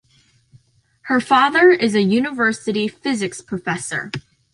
Her father is a university physics professor.